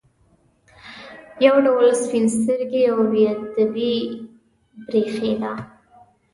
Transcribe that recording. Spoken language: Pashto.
یو ډول سپین سترګي او بې ادبي برېښېده.